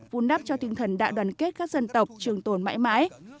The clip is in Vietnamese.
vun đắp cho tinh thần đại đoàn kết các dân tộc trường tồn mãi mãi